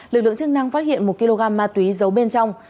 lực lượng chức năng phát hiện một kg ma túy giấu bên trong